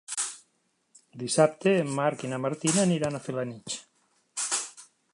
Dissabte en Marc i na Martina aniran a Felanitx.